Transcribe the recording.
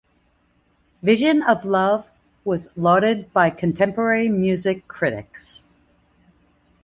"Vision of Love" was lauded by contemporary music critics.